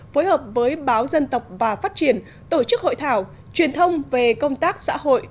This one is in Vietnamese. phối hợp với báo dân tộc và phát triển tổ chức hội thảo truyền thông về công tác xã hội